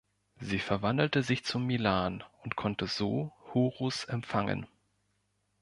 Sie verwandelte sich zum Milan und konnte so Horus empfangen.